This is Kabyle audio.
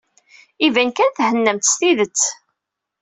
Iban kan thennamt s tidet.